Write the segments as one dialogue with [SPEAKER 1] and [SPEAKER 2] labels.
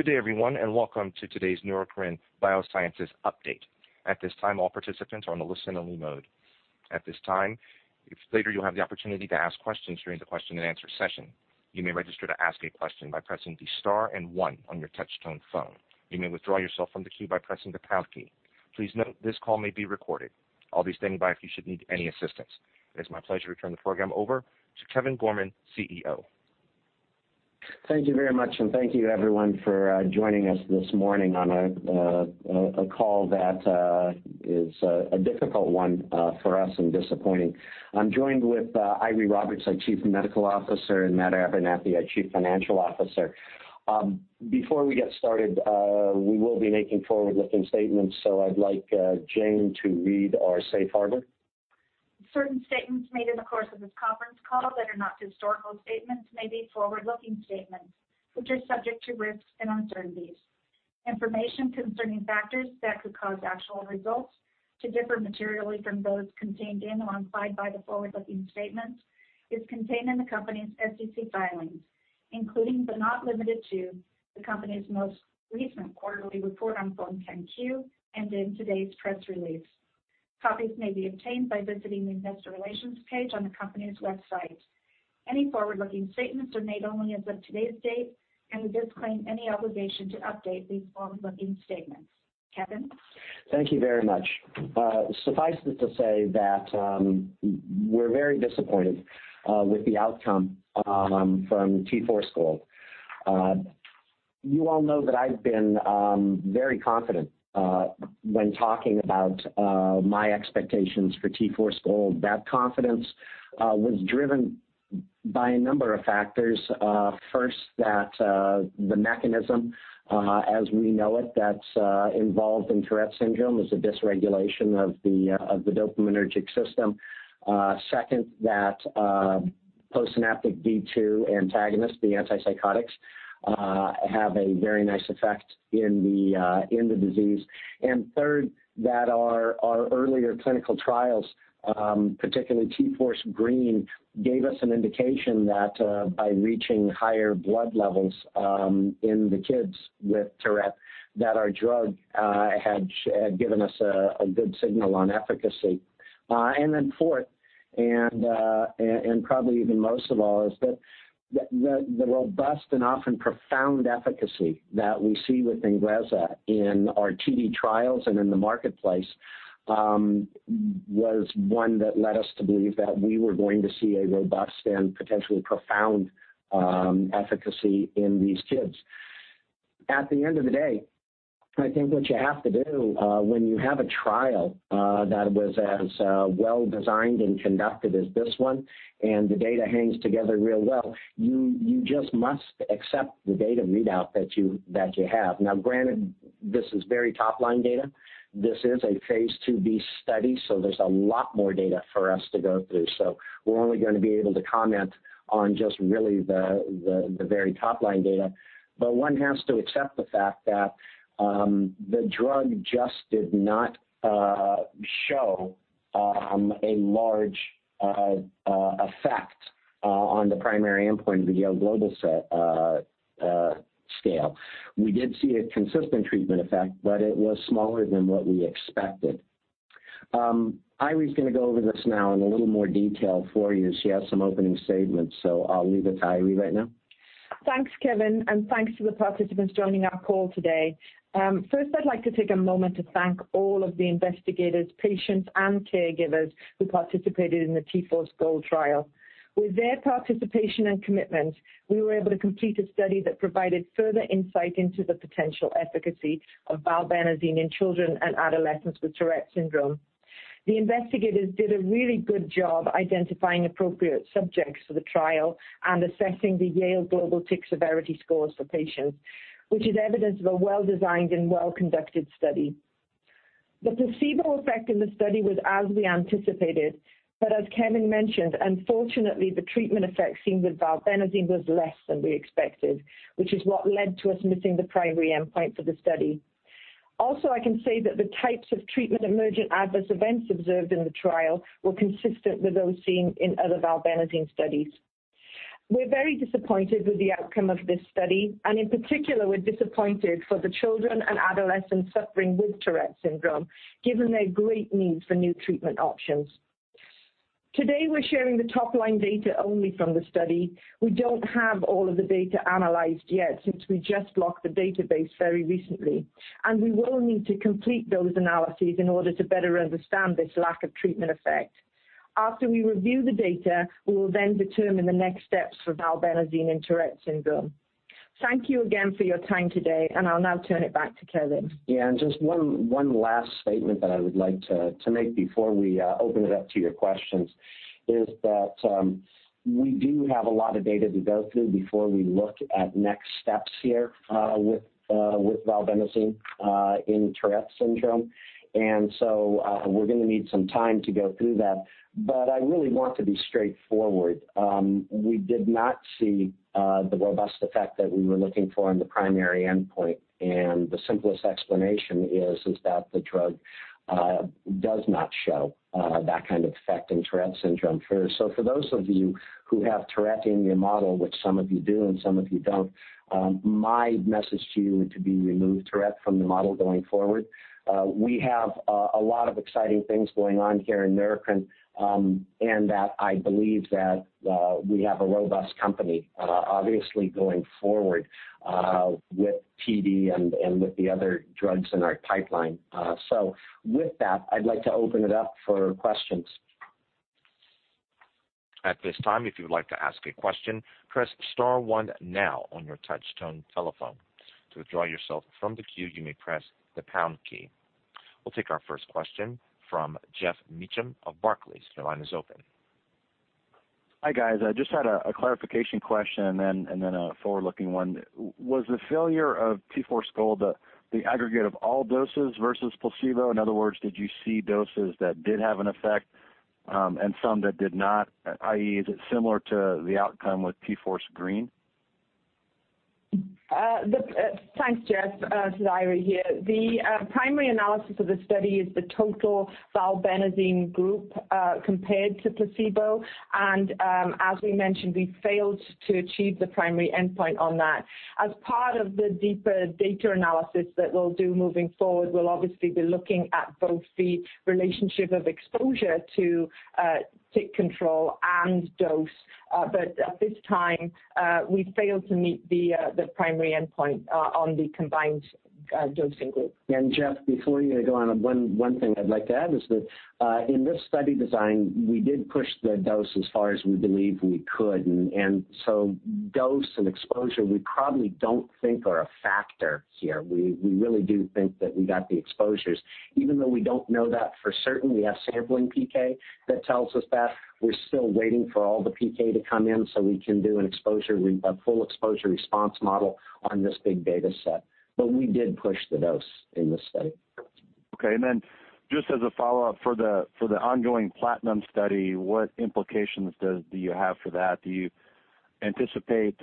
[SPEAKER 1] Good day everyone, welcome to today's Neurocrine Biosciences update. At this time, all participants are on a listen-only mode. Later you'll have the opportunity to ask questions during the question-and-answer session. You may register to ask a question by pressing the star one on your touchtone phone. You may withdraw yourself from the queue by pressing the pound key. Please note this call may be recorded. I'll be standing by if you should need any assistance. It is my pleasure to turn the program over to Kevin Gorman, CEO.
[SPEAKER 2] Thank you very much, thank you everyone for joining us this morning on a call that is a difficult one for us and disappointing. I'm joined with Eiry Roberts, our Chief Medical Officer, and Matt Abernethy, our Chief Financial Officer. Before we get started, we will be making forward-looking statements, I'd like Jane to read our safe harbor.
[SPEAKER 3] Certain statements made in the course of this conference call that are not historical statements may be forward-looking statements, which are subject to risks and uncertainties. Information concerning factors that could cause actual results to differ materially from those contained in or implied by the forward-looking statements is contained in the company's SEC filings, including but not limited to the company's most recent quarterly report on Form 10-Q and in today's press release. Copies may be obtained by visiting the investor relations page on the company's website. Any forward-looking statements are made only as of today's date, we disclaim any obligation to update these forward-looking statements. Kevin?
[SPEAKER 2] Thank you very much. Suffice it to say that we're very disappointed with the outcome from T-Force GOLD. You all know that I've been very confident when talking about my expectations for T-Force GOLD. That confidence was driven by a number of factors. First, that the mechanism as we know it that's involved in Tourette syndrome is a dysregulation of the dopaminergic system. Second, that postsynaptic D2 antagonists, the antipsychotics, have a very nice effect in the disease. Third, that our earlier clinical trials, particularly T-Force GREEN, gave us an indication that by reaching higher blood levels in the kids with Tourette, that our drug had given us a good signal on efficacy. Fourth, and probably even most of all, is that the robust and often profound efficacy that we see with INGREZZA in our TD trials and in the marketplace, was one that led us to believe that we were going to see a robust and potentially profound efficacy in these kids. At the end of the day, I think what you have to do when you have a trial that was as well designed and conducted as this one, and the data hangs together real well, you just must accept the data readout that you have. Now granted, this is very top-line data. This is a phase II-B study, there's a lot more data for us to go through. We're only going to be able to comment on just really the very top-line data. One has to accept the fact that the drug just did not show a large effect on the primary endpoint of the Yale Global scale. We did see a consistent treatment effect, but it was smaller than what we expected. Eiry's going to go over this now in a little more detail for you. She has some opening statements, I'll leave it to Eiry right now.
[SPEAKER 4] Thanks, Kevin, and thanks to the participants joining our call today. First I'd like to take a moment to thank all of the investigators, patients, and caregivers who participated in the T-Force GOLD trial. With their participation and commitment, we were able to complete a study that provided further insight into the potential efficacy of valbenazine in children and adolescents with Tourette syndrome. The investigators did a really good job identifying appropriate subjects for the trial and assessing the Yale Global Tic Severity scores for patients, which is evidence of a well-designed and well-conducted study. The placebo effect in the study was as we anticipated, as Kevin mentioned, unfortunately the treatment effect seen with valbenazine was less than we expected, which is what led to us missing the primary endpoint for the study. I can say that the types of treatment-emergent adverse events observed in the trial were consistent with those seen in other valbenazine studies. We're very disappointed with the outcome of this study, in particular, we're disappointed for the children and adolescents suffering with Tourette syndrome, given their great need for new treatment options. Today we're sharing the top-line data only from the study. We don't have all of the data analyzed yet since we just blocked the database very recently, we will need to complete those analyses in order to better understand this lack of treatment effect. After we review the data, we will determine the next steps for valbenazine in Tourette syndrome. Thank you again for your time today, I'll now turn it back to Kevin.
[SPEAKER 2] Just one last statement that I would like to make before we open it up to your questions, is that we do have a lot of data to go through before we look at next steps here with valbenazine in Tourette syndrome. We're going to need some time to go through that. I really want to be straightforward. We did not see the robust effect that we were looking for in the primary endpoint. The simplest explanation is that the drug does not show that kind of effect in Tourette syndrome. For those of you who have Tourette in your model, which some of you do and some of you don't, my message to you would to be remove Tourette from the model going forward. We have a lot of exciting things going on here in Neurocrine, I believe that we have a robust company obviously going forward with TD and with the other drugs in our pipeline. With that, I'd like to open it up for questions.
[SPEAKER 1] At this time, if you would like to ask a question, press star one now on your touch-tone telephone. To withdraw yourself from the queue, you may press the pound key. We'll take our first question from Geoff Meacham of Barclays. Your line is open.
[SPEAKER 5] Hi, guys. I just had a clarification question and then a forward-looking one. Was the failure of T-Force GOLD the aggregate of all doses versus placebo? In other words, did you see doses that did have an effect, and some that did not? i.e., is it similar to the outcome with T-Force GREEN?
[SPEAKER 4] Thanks, Geoff. This is Eiry here. The primary analysis of the study is the total valbenazine group, compared to placebo. As we mentioned, we failed to achieve the primary endpoint on that. As part of the deeper data analysis that we'll do moving forward, we'll obviously be looking at both the relationship of exposure to tic control and dose. At this time, we failed to meet the primary endpoint on the combined dosing group.
[SPEAKER 2] Geoff, before you go on, one thing I'd like to add is that, in this study design, we did push the dose as far as we believed we could. So dose and exposure, we probably don't think are a factor here. We really do think that we got the exposures. Even though we don't know that for certain, we have sampling PK that tells us that. We're still waiting for all the PK to come in so we can do a full exposure response model on this big data set. We did push the dose in this study.
[SPEAKER 5] Okay. Then just as a follow-up, for the ongoing T-Force PLATINUM study, what implications do you have for that? Do you anticipate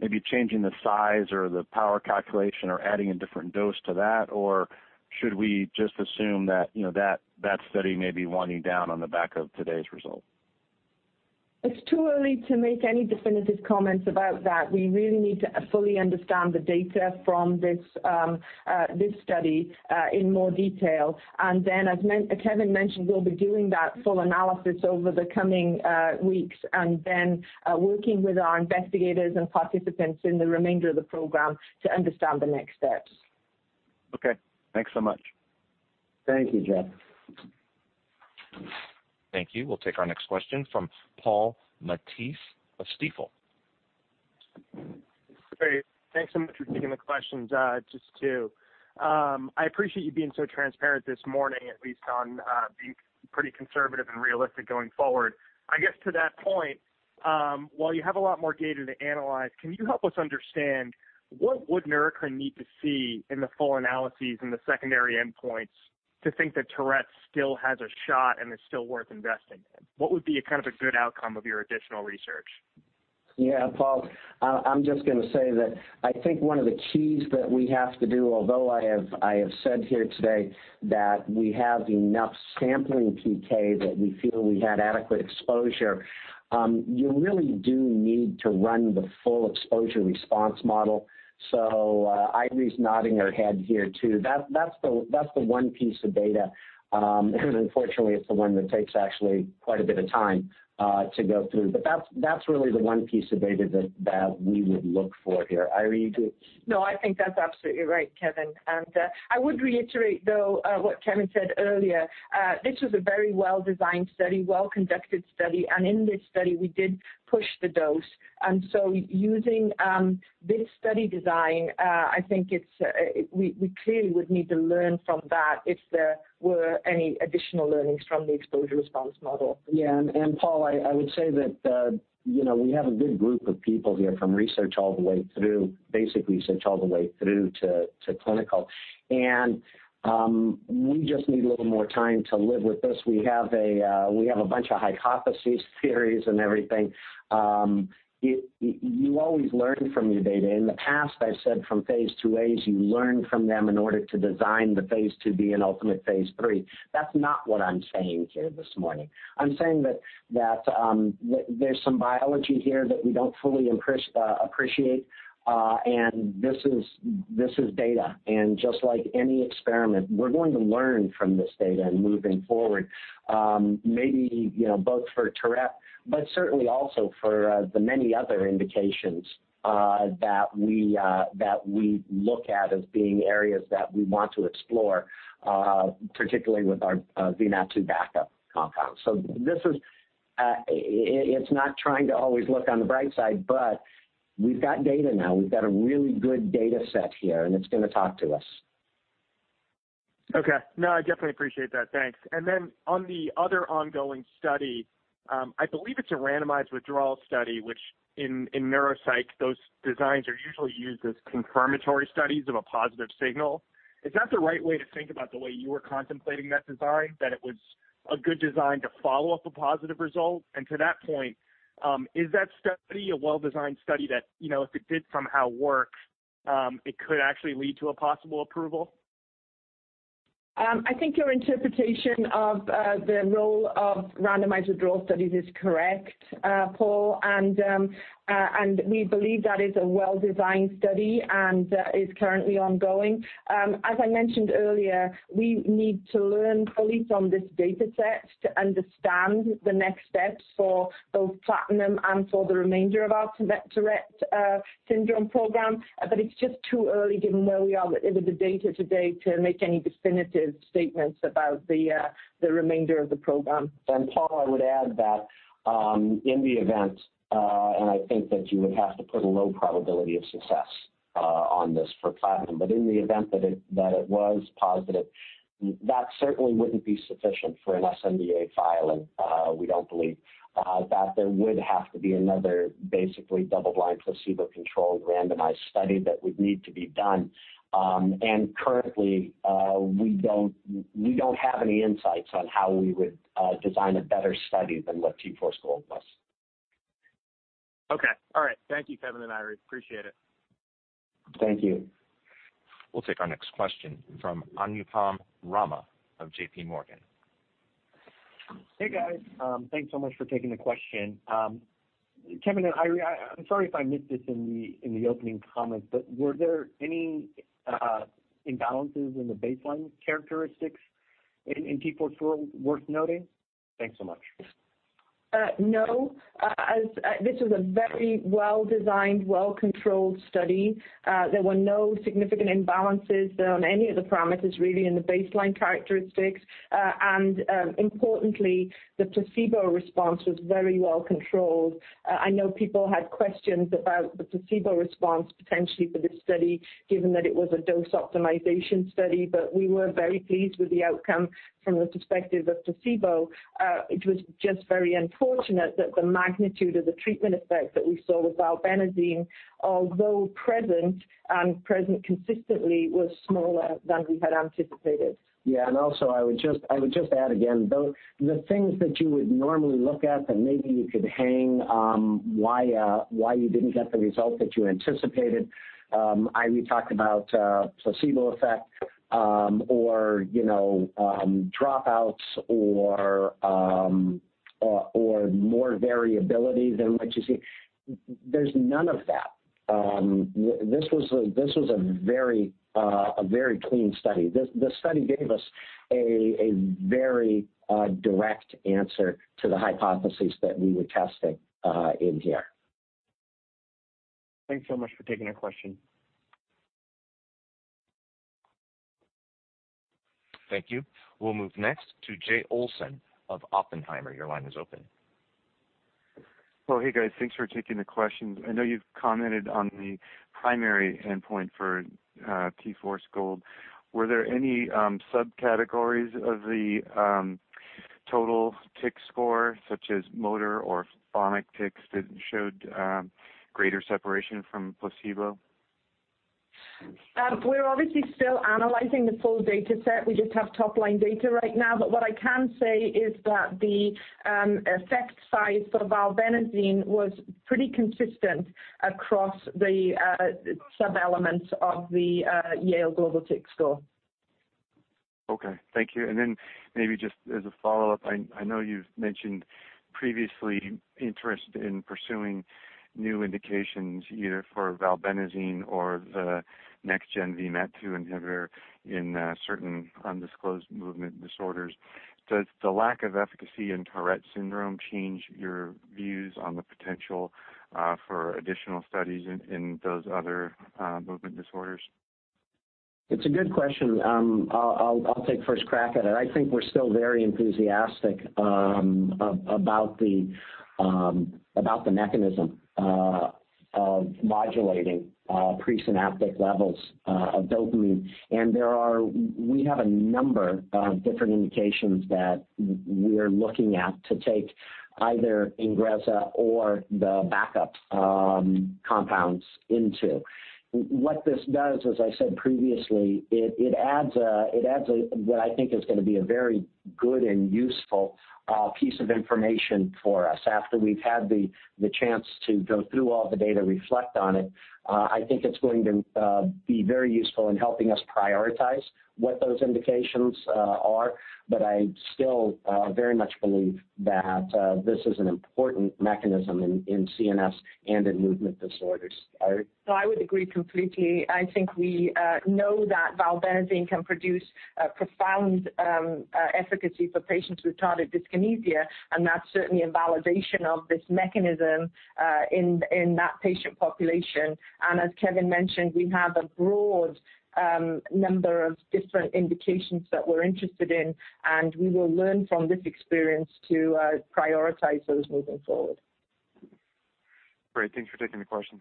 [SPEAKER 5] maybe changing the size or the power calculation or adding a different dose to that? Should we just assume that study may be winding down on the back of today's result?
[SPEAKER 4] It's too early to make any definitive comments about that. We really need to fully understand the data from this study in more detail. Then, as Kevin mentioned, we'll be doing that full analysis over the coming weeks, and then working with our investigators and participants in the remainder of the program to understand the next steps.
[SPEAKER 5] Okay. Thanks so much.
[SPEAKER 2] Thank you, Geoff.
[SPEAKER 1] Thank you. We'll take our next question from Paul Matteis of Stifel.
[SPEAKER 6] Great. Thanks so much for taking the questions. Just two. I appreciate you being so transparent this morning, at least on being pretty conservative and realistic going forward. I guess to that point, while you have a lot more data to analyze, can you help us understand what would Neurocrine need to see in the full analyses and the secondary endpoints to think that Tourette's still has a shot and is still worth investing in? What would be a good outcome of your additional research?
[SPEAKER 2] Paul, I'm just going to say that I think one of the keys that we have to do, although I have said here today that we have enough sampling PK that we feel we had adequate exposure, you really do need to run the full exposure response model. Eiry's nodding her head here, too. That's the one piece of data, and unfortunately, it's the one that takes actually quite a bit of time to go through. That's really the one piece of data that we would look for here. Eiry, you too.
[SPEAKER 4] I think that's absolutely right, Kevin. I would reiterate though, what Kevin said earlier. This was a very well-designed study, well-conducted study, and in this study, we did push the dose. Using this study design, I think we clearly would need to learn from that if there were any additional learnings from the exposure response model.
[SPEAKER 2] Paul, I would say that we have a good group of people here from research all the way through, basic research all the way through to clinical. We just need a little more time to live with this. We have a bunch of hypotheses, theories, and everything. You always learn from your data. In the past, I've said from phase II-A, you learn from them in order to design the phase II-B and ultimate phase III. That's not what I'm saying here this morning. I'm saying that there's some biology here that we don't fully appreciate, and this is data. Just like any experiment, we're going to learn from this data moving forward. Maybe both for Tourette, but certainly also for the many other indications that we look at as being areas that we want to explore, particularly with our VMAT2 backup compounds. It's not trying to always look on the bright side, but we've got data now. We've got a really good data set here, and it's going to talk to us.
[SPEAKER 6] Okay. No, I definitely appreciate that. Thanks. On the other ongoing study, I believe it's a randomized withdrawal study, which in neuropsych, those designs are usually used as confirmatory studies of a positive signal. Is that the right way to think about the way you were contemplating that design, that it was a good design to follow up a positive result? To that point, is that study a well-designed study that if it did somehow work, it could actually lead to a possible approval?
[SPEAKER 4] I think your interpretation of the role of randomized withdrawal studies is correct, Paul. We believe that is a well-designed study and is currently ongoing. As I mentioned earlier, we need to learn fully from this data set to understand the next steps for both PLATINUM and for the remainder of our Tourette syndrome program. It's just too early, given where we are with the data today, to make any definitive statements about the remainder of the program.
[SPEAKER 2] Paul, I would add that in the event, and I think that you would have to put a low probability of success on this for PLATINUM. In the event that it was positive, that certainly wouldn't be sufficient for an sNDA filing, we don't believe. There would have to be another, basically, double-blind, placebo-controlled, randomized study that would need to be done. Currently, we don't have any insights on how we would design a better study than what T-Force GOLD was.
[SPEAKER 6] Okay. All right. Thank you, Kevin and Eiry. Appreciate it.
[SPEAKER 2] Thank you.
[SPEAKER 1] We'll take our next question from Anupam Rama of JPMorgan.
[SPEAKER 7] Hey, guys. Thanks so much for taking the question. Kevin and Eiry, I'm sorry if I missed this in the opening comments. Were there any imbalances in the baseline characteristics in T-Force GOLD worth noting? Thanks so much.
[SPEAKER 4] No. This was a very well-designed, well-controlled study. There were no significant imbalances on any of the parameters, really, in the baseline characteristics. Importantly, the placebo response was very well controlled. I know people had questions about the placebo response potentially for this study, given that it was a dose optimization study. We were very pleased with the outcome from the perspective of placebo. It was just very unfortunate that the magnitude of the treatment effect that we saw with valbenazine, although present and present consistently, was smaller than we had anticipated.
[SPEAKER 2] I would just add again, the things that you would normally look at that maybe you could hang why you didn't get the result that you anticipated. Eiry talked about placebo effect or dropouts or more variability than what you see. There's none of that. This was a very clean study. The study gave us a very direct answer to the hypothesis that we were testing in here.
[SPEAKER 7] Thanks so much for taking the question.
[SPEAKER 1] Thank you. We'll move next to Jay Olson of Oppenheimer. Your line is open.
[SPEAKER 8] Well, hey, guys. Thanks for taking the question. I know you've commented on the primary endpoint for T-Force GOLD. Were there any subcategories of the Total Tic Score, such as motor or phonic tics, that showed greater separation from placebo?
[SPEAKER 4] We're obviously still analyzing the full data set. We just have top-line data right now. What I can say is that the effect size for valbenazine was pretty consistent across the sub-elements of the Yale Global Tic Score.
[SPEAKER 8] Okay. Thank you. Maybe just as a follow-up, I know you've mentioned previously interest in pursuing new indications, either for valbenazine or the next gen VMAT2 inhibitor in certain undisclosed movement disorders. Does the lack of efficacy in Tourette syndrome change your views on the potential for additional studies in those other movement disorders?
[SPEAKER 2] It's a good question. I'll take first crack at it. I think we're still very enthusiastic about the mechanism of modulating presynaptic levels of dopamine. We have a number of different indications that we're looking at to take either INGREZZA or the backup compounds into. What this does, as I said previously, it adds what I think is going to be a very good and useful piece of information for us after we've had the chance to go through all the data, reflect on it. I think it's going to be very useful in helping us prioritize what those indications are. I still very much believe that this is an important mechanism in CNS and in movement disorders. Eiry?
[SPEAKER 4] No, I would agree completely. I think we know that valbenazine can produce a profound efficacy for patients with tardive dyskinesia, that's certainly a validation of this mechanism in that patient population. As Kevin mentioned, we have a broad number of different indications that we're interested in, we will learn from this experience to prioritize those moving forward.
[SPEAKER 8] Great. Thanks for taking the question.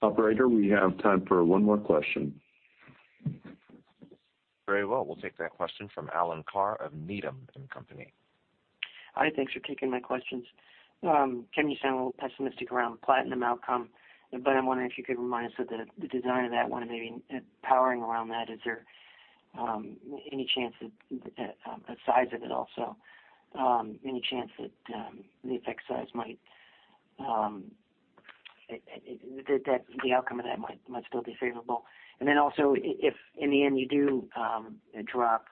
[SPEAKER 1] Operator, we have time for one more question. Very well. We will take that question from Alan Carr of Needham & Company.
[SPEAKER 9] Hi, thanks for taking my questions. Kevin, you sound a little pessimistic around PLATINUM outcome, I'm wondering if you could remind us of the design of that one and maybe powering around that. Is there any chance that the size of it also, any chance that the effect size might, that the outcome of that might still be favorable? Also, if in the end you do drop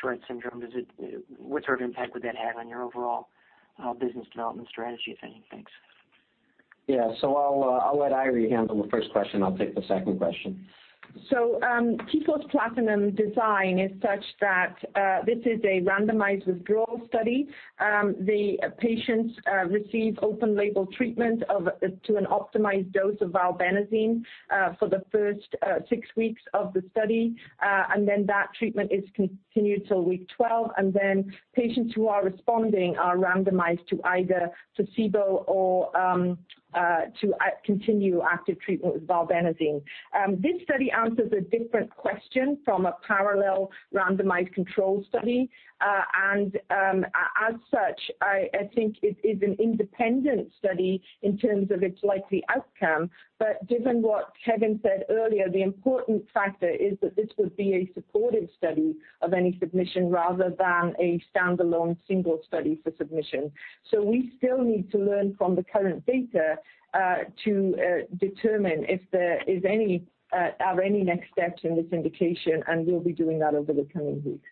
[SPEAKER 9] Tourette syndrome, what sort of impact would that have on your overall business development strategy, if any? Thanks.
[SPEAKER 2] Yeah. I will let Eiry handle the first question. I will take the second question.
[SPEAKER 4] T-Force PLATINUM design is such that this is a randomized withdrawal study. The patients receive open label treatment to an optimized dose of valbenazine for the first six weeks of the study. That treatment is continued till week 12, then patients who are responding are randomized to either placebo or to continue active treatment with valbenazine. This study answers a different question from a parallel randomized control study. As such, I think it is an independent study in terms of its likely outcome. Given what Kevin said earlier, the important factor is that this would be a supportive study of any submission, rather than a standalone single study for submission. We still need to learn from the current data to determine if there are any next steps in this indication, and we'll be doing that over the coming weeks.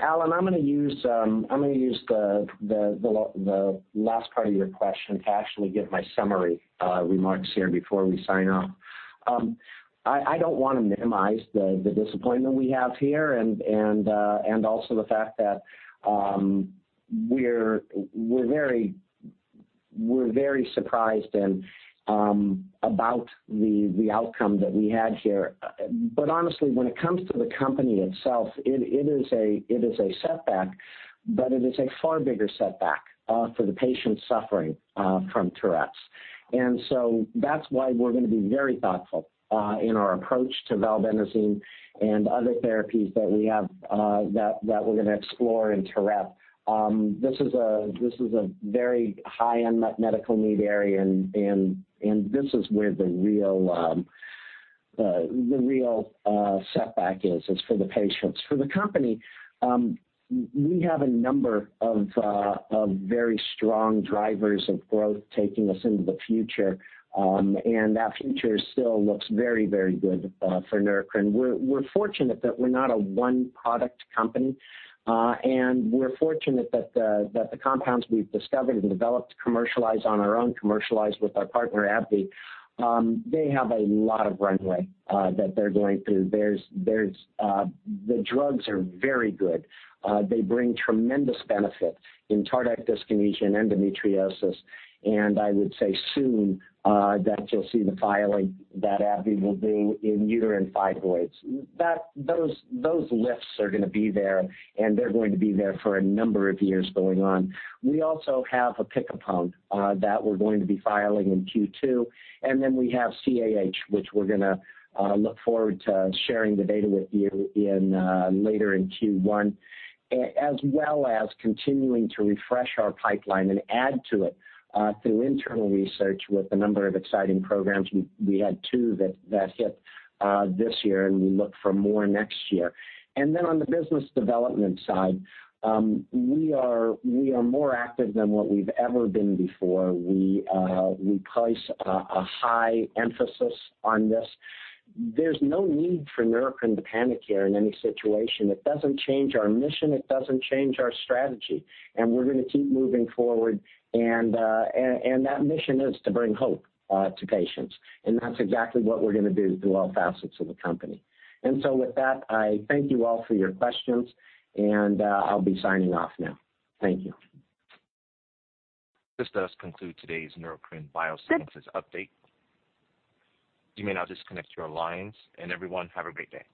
[SPEAKER 2] Alan, I'm going to use the last part of your question to actually give my summary remarks here before we sign off. I don't want to minimize the disappointment we have here and also the fact that we're very surprised about the outcome that we had here. Honestly, when it comes to the company itself, it is a setback, but it is a far bigger setback for the patients suffering from Tourette's. That's why we're going to be very thoughtful in our approach to valbenazine and other therapies that we're going to explore in Tourette. This is a very high-end medical need area, and this is where the real setback is for the patients. For the company, we have a number of very strong drivers of growth taking us into the future. That future still looks very, very good for Neurocrine. We're fortunate that we're not a one-product company, and we're fortunate that the compounds we've discovered and developed, commercialized on our own, commercialized with our partner, AbbVie, they have a lot of runway that they're going through. The drugs are very good. They bring tremendous benefit in tardive dyskinesia and endometriosis. I would say soon that you'll see the filing that AbbVie will do in uterine fibroids. Those lifts are going to be there, and they're going to be there for a number of years going on. We also have opicapone that we're going to be filing in Q2, and then we have CAH, which we're going to look forward to sharing the data with you later in Q1, as well as continuing to refresh our pipeline and add to it through internal research with a number of exciting programs. We had two that hit this year, and we look for more next year. On the business development side, we are more active than what we've ever been before. We place a high emphasis on this. There's no need for Neurocrine to panic here in any situation. It doesn't change our mission, it doesn't change our strategy, and we're going to keep moving forward. That mission is to bring hope to patients, and that's exactly what we're going to do through all facets of the company. With that, I thank you all for your questions, and I'll be signing off now. Thank you.
[SPEAKER 1] This does conclude today's Neurocrine Biosciences update. You may now disconnect your lines. Everyone, have a great day.